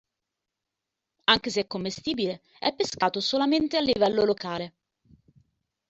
Anche se commestibile, è pescato solamente a livello locale.